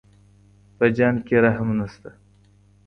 په جنګ کي رحم نسته.